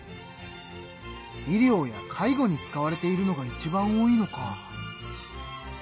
医療や介護に使われているのがいちばん多いのか。